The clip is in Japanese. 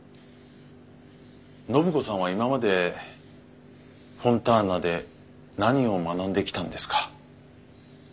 暢子さんは今までフォンターナで何を学んできたんですか？